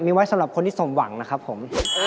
มีไว้สำหรับคนที่สมหวังนะครับผม